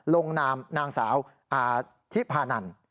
ลงนามนางสาวทิพานัน